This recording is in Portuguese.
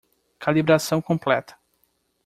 Calibração completa.